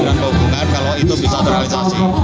kehubungan kalau itu bisa terrealisasi